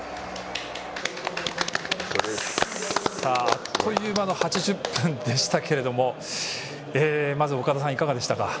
あっという間の８０分でしたけどもまず岡田さん、いかがでしたか？